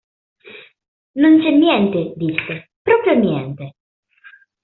Non c'è niente, disse, proprio niente.